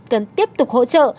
cần tiếp tục hỗ trợ